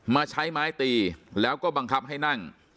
มาใช้ไม้ตีแล้วก็บังคับให้นั่ง